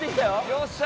よっしゃ